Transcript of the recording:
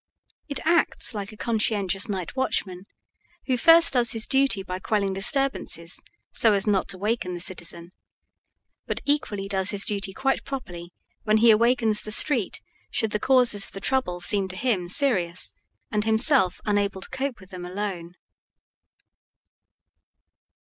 It acts like a conscientious night watchman, who first does his duty by quelling disturbances so as not to waken the citizen, but equally does his duty quite properly when he awakens the street should the causes of the trouble seem to him serious and himself unable to cope with them alone.